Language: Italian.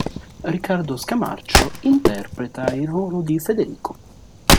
Riccardo Scamarcio interpreta il ruolo di Federico.